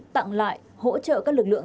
tặng lại hỗ trợ các lực lượng